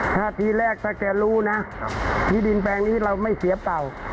ถ้าทีแรกถ้าแกรู้นะที่ดินแปลงนี้เราไม่เสียเป่า